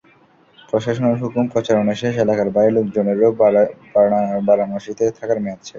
প্রশাসনের হুকুম, প্রচারণা শেষ, এলাকার বাইরের লোকজনেরও বারানসিতে থাকার মেয়াদ শেষ।